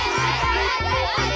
はい！